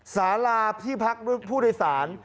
สาราที่พักผู้โดยสาร